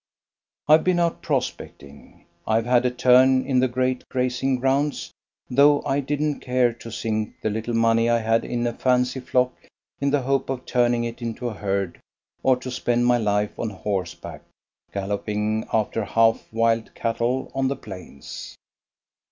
I've been out prospecting; I've had a turn in the great grazing grounds, though I didn't care to sink the little money I had in a fancy flock in the hope of turning it into a herd, or to spend my life on horseback galloping after half wild cattle on the plains.